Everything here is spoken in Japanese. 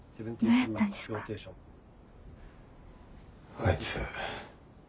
あいつ。